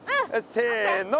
せの。